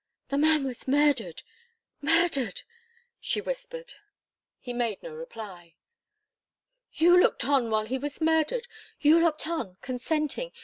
"The man was murdered murdered!" she whispered. He made no reply. "You looked on while he was murdered! You looked on consenting!